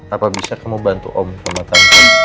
apa bisa kamu bantu om sama tante